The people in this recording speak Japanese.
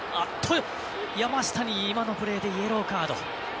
山下に今のプレーでイエローカード。